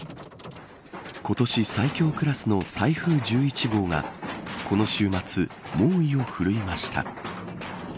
今年最強クラスの台風１１号がこの週末、猛威を振るいました。